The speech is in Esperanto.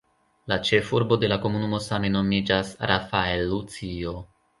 La ĉefurbo de la komunumo same nomiĝas "Rafael Lucio".